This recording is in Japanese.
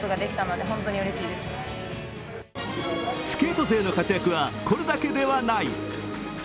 スケート勢の活躍はこれだけではない。